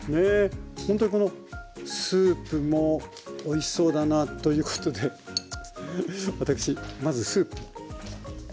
ほんとにこのスープもおいしそうだなということで私まずスープ。